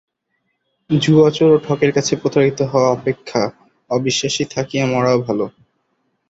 জুয়াচোর ও ঠকের কাছে প্রতারিত হওয়া অপেক্ষা অবিশ্বাসী থাকিয়া মরাও ভাল।